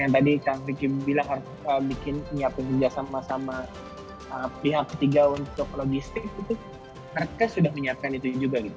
yang tadi kak fikim bilang harus bikin penyiapkan kerja sama sama pihak ketiga untuk logistik itu rk sudah menyiapkan itu juga